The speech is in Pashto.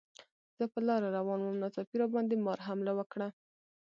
زه په لاره روان وم، ناڅاپي راباندې مار حمله وکړه.